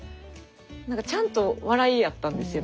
ちゃんと笑いやったんですよね